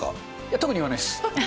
特に言わないです。